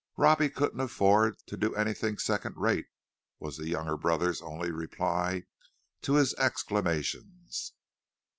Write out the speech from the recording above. "Robbie couldn't afford to do anything second rate," was the younger brother's only reply to his exclamations.